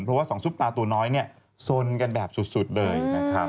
เพราะว่าสองซุปตาตัวน้อยเนี่ยสนกันแบบสุดเลยนะครับ